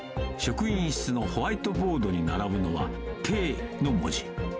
職員室のホワイトボードに並ぶのは、停の文字。